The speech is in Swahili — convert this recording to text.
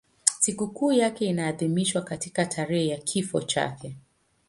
Sikukuu yake inaadhimishwa katika tarehe ya kifo chake.